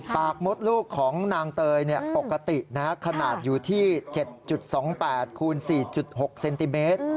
มดลูกของนางเตยปกติขนาดอยู่ที่๗๒๘คูณ๔๖เซนติเมตร